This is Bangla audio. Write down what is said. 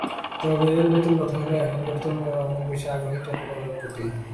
তবে নতুন কথা হলো, এখনকার তরুণেরা অনেক বেশি আগ্রহী ট্যাটু করার প্রতি।